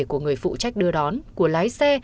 của người phụ trách đưa đón của lái xe